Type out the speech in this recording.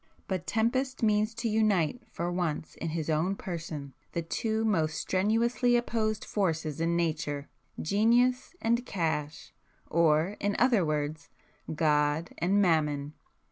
But Tempest means to unite for once in his own person the two most strenuously opposed forces in nature,—genius and cash,—or in other words, God and Mammon."